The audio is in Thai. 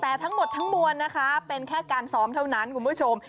แต่ทั้งหมดทั้งมวลนะคะเป็นแค่การซ้อมเท่านั้นคุณผู้ชม